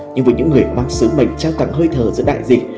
nhưng với những người mang sứ mệnh trao tặng hơi thở giữa đại dịch